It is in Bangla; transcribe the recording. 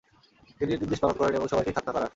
তিনি এ নির্দেশ পালন করেন এবং সবাইকে খাৎনা করান।